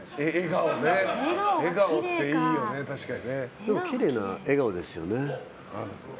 でも、きれいな笑顔ですよね。